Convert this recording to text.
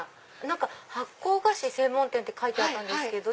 何か発酵菓子専門店って書いてあったんですけど。